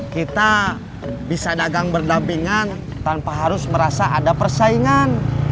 kita bisa dagang berdampingan tanpa harus merasa ada persaingan